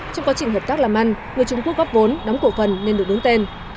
trong quá trình hợp tác làm ăn người trung quốc góp vốn đóng cổ phần nên được đứng tên